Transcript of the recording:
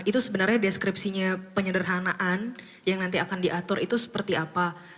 itu sebenarnya deskripsinya penyederhanaan yang nanti akan diatur itu seperti apa